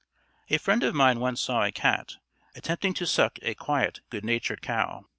A friend of mine once saw a cat, attempting to suck a quiet good natured cow.